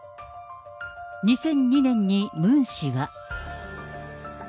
２００２年にムン氏は。